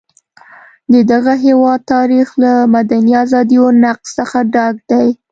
د دغه هېواد تاریخ له مدني ازادیو نقض څخه ډک دی.